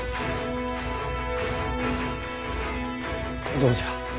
どうじゃ？